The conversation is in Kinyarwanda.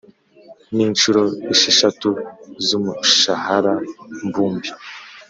n inshuro esheshatu z umushahara mbumbe